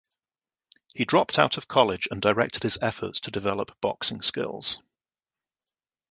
He dropped out of college and directed his efforts to develop boxing skills.